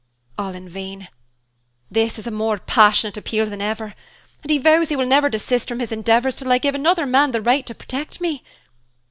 All in vain; this is a more passionate appeal than ever, and he vows he will never desist from his endeavors till I give another man the right to protect me.